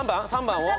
３番。